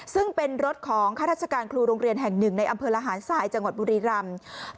ซึ่งเป็นรถของข้าราชการครูโรงเรียนแห่งหนึ่งในอำเภอละหารทรายจังหวัดบุรีรำ